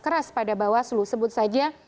keras pada bawaslu sebut saja